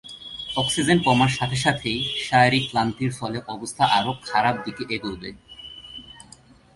Oxygen কমার সাথে-সাথেই, শারীরিক ক্লান্তির ফলে অবস্থা আরো খারাপ দিকে এগাবে।